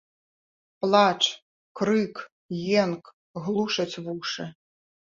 Плач, крык, енк глушаць вушы.